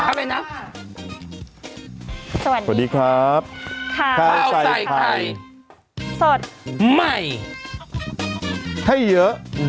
สวัสดีครับข้าวใส่ไข่สดไหมให้เยอะ